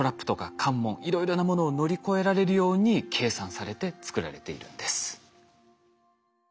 いろいろなものを乗り越えられるように計算されて作られているんです。